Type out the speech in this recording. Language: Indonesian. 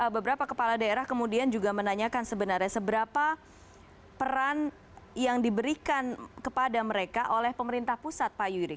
beberapa kepala daerah kemudian juga menanyakan sebenarnya seberapa peran yang diberikan kepada mereka oleh pemerintah pusat pak yuri